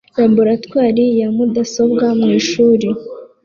Laboratwari ya mudasobwa mu ishuri